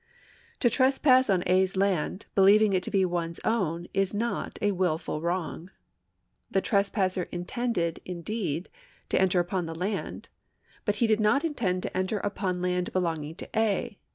To trespass on A.'s land believing it to be one's own is not a wilful wrong. The trespasser in tended, indeed, to enter upon the land, but he did not intend to enter upon land belonging to A.